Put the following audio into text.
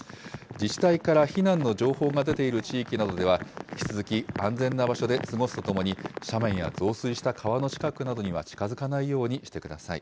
自治体から避難の情報が出ている地域などでは、引き続き安全な場所で過ごすとともに、斜面や増水した川の近くなどには近づかないようにしてください。